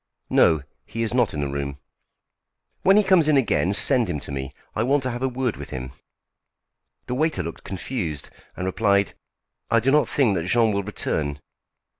"No, he is not in the room." "When he comes in again, send him to me. I want to have a word with him." The waiter looked confused, and replied: "I do not think that Jean will return."